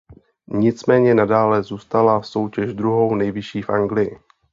Nicméně nadále zůstala soutěž druhou nejvyšší v Anglii.